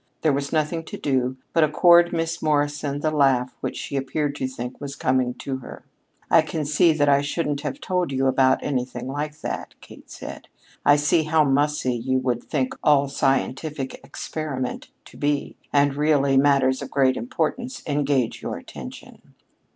There was nothing to do but accord Miss Morrison the laugh which she appeared to think was coming to her. "I can see that I shouldn't have told you about anything like that," Kate said. "I see how mussy you would think any scientific experiment to be. And, really, matters of greater importance engage your attention."